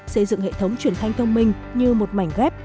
xây dựng hệ thống truyền thanh thông minh như một mảnh ghép